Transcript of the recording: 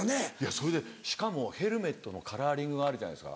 それでしかもヘルメットのカラーリングがあるじゃないですか。